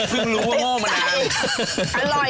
เพิ่งรู้ว่าห้อมันอ่านมิดใจ